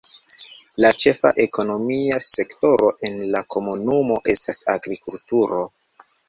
La ĉefa ekonomia sektoro en la komunumo estas agrikulturo.